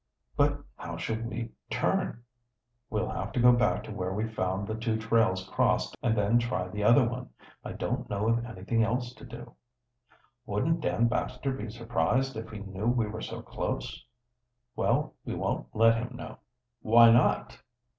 "But how shall we turn?" "We'll have to go back to where we found the two trails crossed and then try the other one. I don't know of anything else to do." "Wouldn't Dan Baxter be surprised, if he knew we were so close?" "Well, we won't let him know." "Why not?"